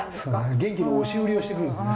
元気の押し売りをしてくるんですね。